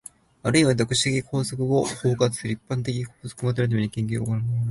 あるいは特殊的法則を包括する一般的法則を求めるために、研究が行われる。